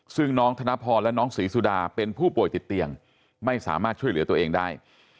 ซึ่งน้องธนพรและน้องศรีสุดาเป็นผู้ป่วยติดเตียงไม่สามารถช่วยเหลือตัวเองได้